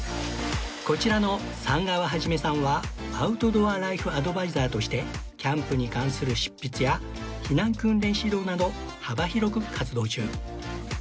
こちらの寒川一さんはアウトドアライフアドバイザーとしてキャンプに関する執筆や避難訓練指導など幅広く活動中